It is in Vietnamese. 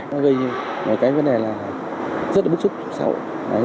nó gây ra một cái vấn đề rất là bức xúc xã hội